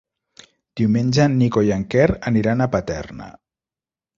Diumenge en Nico i en Quer aniran a Paterna.